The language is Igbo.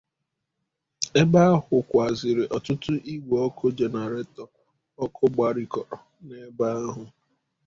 ebe a hụkwazịrị ọtụtụ ígwè ọkụ jeneretọ ọkụ gbarikọrọ n'ebe ahụ